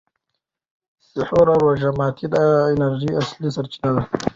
سحور او روژه ماتي د انرژۍ اصلي سرچینه ده.